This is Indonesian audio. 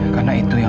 karena itu yang